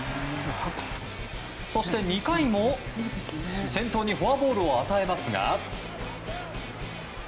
そして２回も、先頭にフォアボールを与えますが。